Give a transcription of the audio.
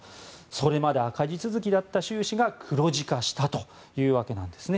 それまで赤字続きだった収支が黒字化したというわけなんです。